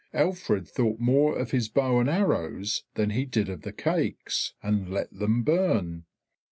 Alfred thought more of his bow and arrows than he did of the cakes, and let them burn.